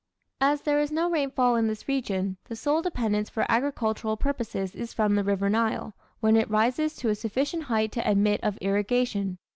As there is no rainfall in this region, the sole dependence for agricultural purposes is from the River Nile when it rises to a sufficient height to admit of irrigation.